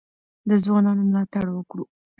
د ځوانانو ملاتړ وکړو.